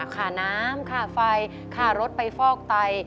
ค่าน้ำค่าไฟค่ารถไปฟอกไต